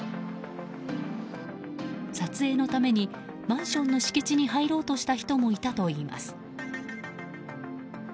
撮影のためにマンションの敷地に入ろうとした人もいたといいます。